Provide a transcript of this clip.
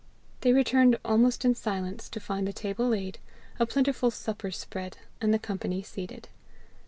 They returned almost in silence to find the table laid, a plentiful supper spread, and the company seated.